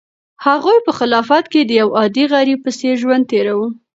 هغوی په خلافت کې د یو عادي غریب په څېر ژوند تېراوه.